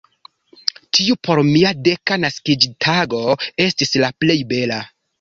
Tiu por mia deka naskiĝtago estis la plej bela.